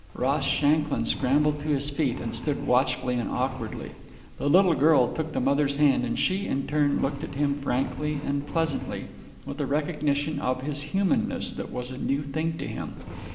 Ross Shanklin scrambled to his feet and stood watchfully and awkwardly. The little girl took the mother's hand, and she, in turn, looked at him frankly and pleasantly, with a recognition of his humanness that was a new thing to him.